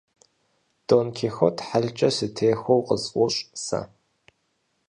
Дон Кихот хьэлкӀэ сытехуэу къысфӀощӀ сэ.